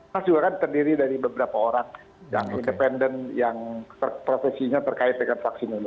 mas juga kan terdiri dari beberapa orang yang independen yang profesinya terkait dengan vaksin ini